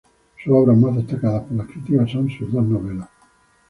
Sus obras más destacadas por la crítica son sus dos novelas.